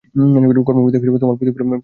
কর্মবিধায়ক হিসাবে তোমার প্রতিপালকই যথেষ্ট।